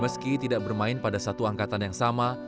meski tidak bermain pada satu angkatan yang sama